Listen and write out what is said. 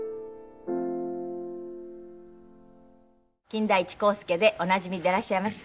金田一耕助でおなじみでいらっしゃいます。